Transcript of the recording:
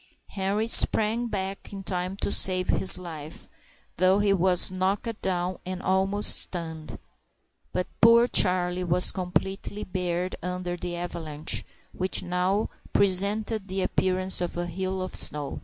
Henri sprang back in time to save his life, though he was knocked down and almost stunned; but poor Charlie was completely buried under the avalanche, which now presented the appearance of a hill of snow.